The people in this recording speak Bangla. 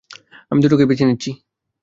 আমি দুটোকেই বেছে নিচ্ছি।